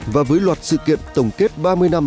và với loạt sự kiện tổng kết ba mươi năm